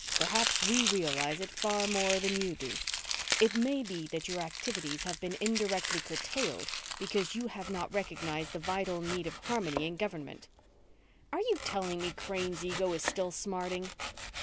Perhaps we realize it far more than you do. It may be that your activities have been indirectly curtailed because you have not recognized the vital need of harmony in government." "Are you telling me Crane's ego is still smarting?"